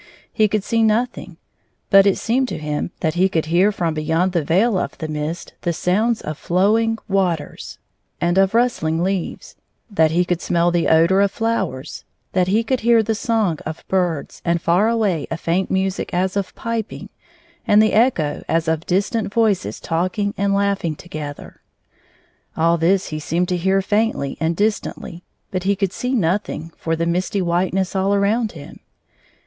He could see no thing; but it seemed to him that he could hear from beyond the veil of mist the sounds of flow io8 ing waters and of rustling leaves ; that he could smell the odor of flowers ; that he could hear the song of birds, and far away a faint music as of piping and the echo as of distant voices talking and laughing together. All this he seemed to hear faintly and distantly, but he could see no thing for the misty whiteness all around him.